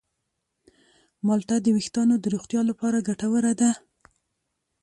مالټه د ویښتانو د روغتیا لپاره ګټوره ده.